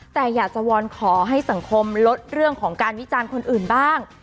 แต่อยากจะวอนขอให้สังคมลดเรื่องของการวิจารณ์คนอื่นบ้าง